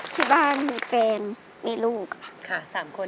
ที่บ้านมีกันกี่คน